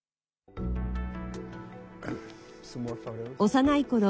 幼いころ